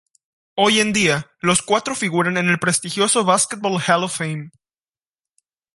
Hoy en día, los cuatro figuran en el prestigioso Basketball Hall of Fame.